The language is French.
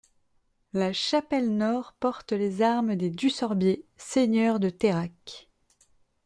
La chapelle nord porte les armes des du Sorbier, seigneurs de Tayrac.